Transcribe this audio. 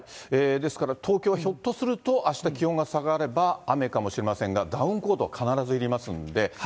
ですから東京はひょっとすると、あした、気温が下がれば、雨かもしれませんが、ダウンコートは必ずいりますんで。